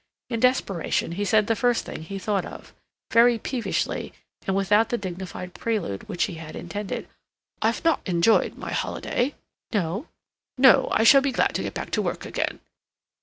In desperation he said the first thing he thought of, very peevishly and without the dignified prelude which he had intended. "I've not enjoyed my holiday." "No?" "No. I shall be glad to get back to work again."